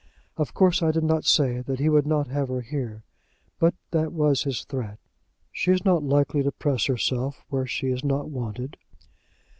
Of course I did not say that he would not have her here, but that was his threat." "She is not likely to press herself where she is not wanted."